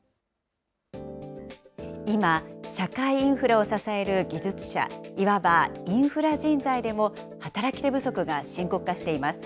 今、社会インフラを支える技術者、いわばインフラ人材でも、働き手不足が深刻化しています。